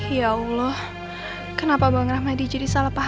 ya allah kenapa jadi gini sih